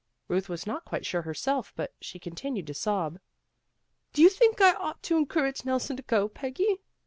Ruth was not quite sure herself, but she con tinued to sob. "Do you think I ought to en courage Nelson to go, Peggy?"